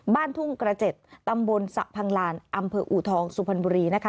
บ้านทุ่งกระเจ็ดตำบลสะพังลานอำเภออูทองสุพรรณบุรีนะคะ